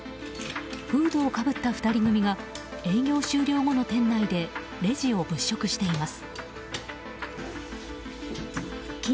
フードをかぶった２人組が営業終了後の店内でレジを物色しています。